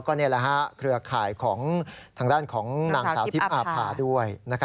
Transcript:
ก็นี่แหละฮะเครือข่ายของทางด้านของนางสาวทิพย์อาภาด้วย